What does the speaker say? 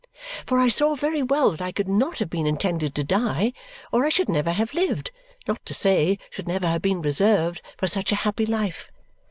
For I saw very well that I could not have been intended to die, or I should never have lived; not to say should never have been reserved for such a happy life.